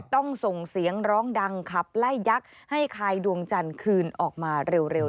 ต้องส่งเสียงร้องดังขับไล่ยักษ์ให้คายดวงจันทร์คืนออกมาเร็ว